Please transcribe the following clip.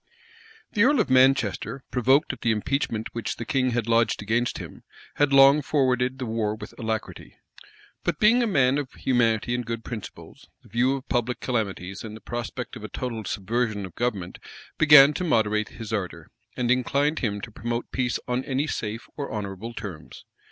The earl of Manchester, provoked at the impeachment which the king had lodged against him, had long forwarded the war with alacrity; but being a man of humanity and good principles, the view of public calamities, and the prospect of a total subversion of government, began to moderate his ardor, and inclined him to promote peace on any safe or honorable terms.